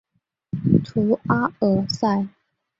图阿尔塞。